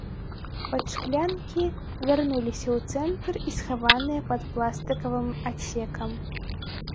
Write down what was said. Падшклянкі вярнуліся ў цэнтр і схаваныя пад пластыкавым адсекам.